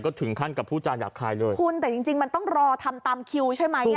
ก็ถึงขั้นกับผู้จาหยาบคายเลยคุณแต่จริงจริงมันต้องรอทำตามคิวใช่ไหมอ่ะ